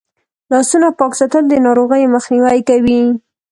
لاسونه پاک ساتل د ناروغیو مخنیوی کوي.